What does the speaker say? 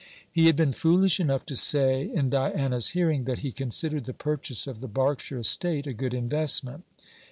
He had been foolish enough to say, in Diana's hearing, that he considered the purchase of the Berkshire estate a good investment.